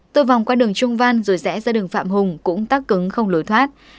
tôi vòng qua đường trung văn rồi rẽ ra đường phạm hùng cũng tắc cứng không lối thoát